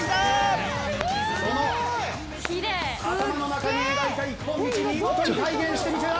その頭の中に描いた一本道見事に体現してみせた！